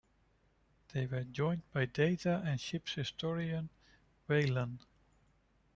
They were joined by Data and ship's historian, Whalen.